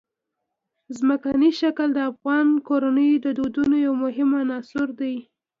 ځمکنی شکل د افغان کورنیو د دودونو یو مهم عنصر دی.